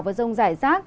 và rông rải rác